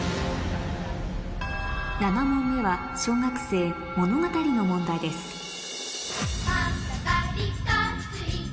７問目は小学生物語の問題ですえ？